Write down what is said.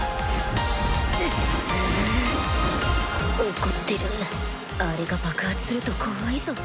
怒ってるあれが爆発すると怖いぞ